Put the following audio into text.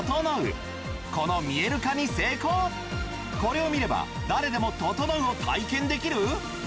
これを見れば誰でもととのうを体験できる！？